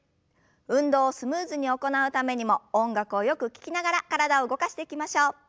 運動をスムーズに行うためにも音楽をよく聞きながら体を動かしていきましょう。